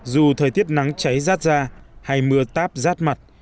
dù thời tiết nắng cháy rát ra hay mưa táp rát mặt